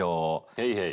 へいへい。